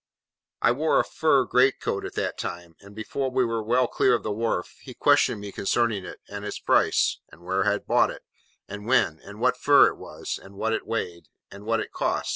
I wore a fur great coat at that time, and before we were well clear of the wharf, he questioned me concerning it, and its price, and where I bought it, and when, and what fur it was, and what it weighed, and what it cost.